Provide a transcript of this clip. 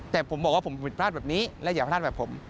แต่ผมบอกว่าผมผิดพลาดแบบนี้และอย่าพลาดแบบผม